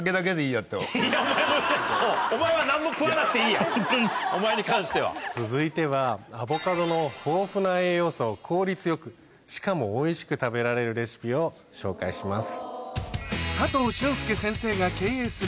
おうお前は何も食わなくていいお前に関しては。続いてはアボカドの豊富な栄養素を効率よくしかもおいしく食べられるレシピを紹介します。